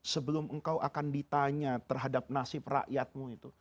sebelum engkau akan ditanya terhadap nasib rakyatmu itu